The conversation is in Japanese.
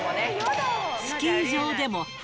スキー場でも裸。